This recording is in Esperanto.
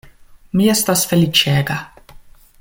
Mi estas feliĉega.